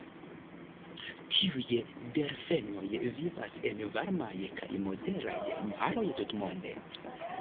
Tiuj delfenoj vivas en varmaj kaj moderaj maroj tutmonde.